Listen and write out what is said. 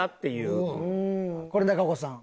これ中岡さん。